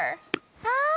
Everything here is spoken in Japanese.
ああ！